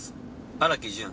荒木淳。